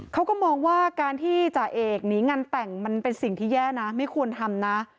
เขาก็มองว่าการที่จ่าเอกหนีงานแต่งมันเป็นสิ่งที่แย่นะไม่ควรทำนะ